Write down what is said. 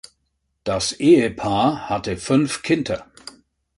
Das Ehepaar hatte fünf Kinder.